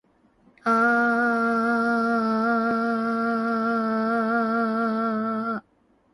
あああああああああああああああああああ